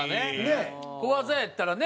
小技やったらね